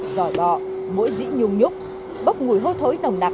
giỏi bọ mỗi dĩ nhung nhúc bốc mùi hôi thối nồng nặng